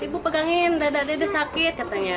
ibu pegangin dada dada sakit katanya